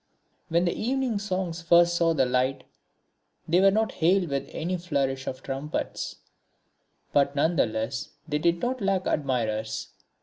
When the Evening Songs first saw the light they were not hailed with any flourish of trumpets, but none the less they did not lack admirers.